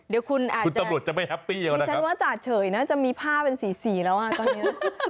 เดี๋ยวคุณอาจจะพี่ฉันว่าจาเฉยมีผ้าเป็นสีแล้วตอนนี้